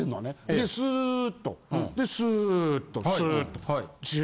でスーッとスーッとスーッと。